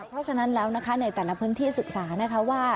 เพราะฉะนั้นแล้วนะคะในแต่ละพื้นที่ศึกษานะคะว่า